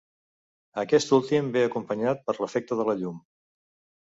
Aquest últim ve acompanyat per l'efecte de la llum.